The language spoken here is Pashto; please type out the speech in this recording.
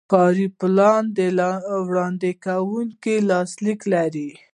کاري پلان د وړاندې کوونکي لاسلیک لري.